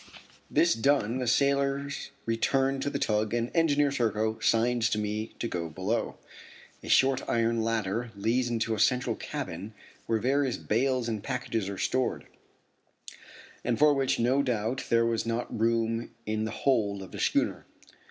This done the sailors return to the tug and Engineer Serko signs to me to go below. A short iron ladder leads into a central cabin where various bales and packages are stored, and for which no doubt there was not room in the hold of the schooner.